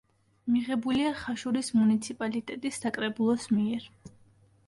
მიღებულია ხაშურის მუნიციპალიტეტის საკრებულოს მიერ.